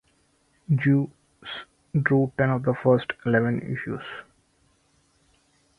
Guice drew ten of the first eleven issues.